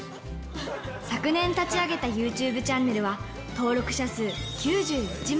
昨年、立ち上げたユーチューブチャンネルは、登録者数９１万